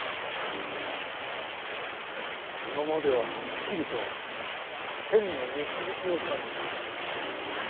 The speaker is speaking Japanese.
今までははっきりと天の導きを感じた。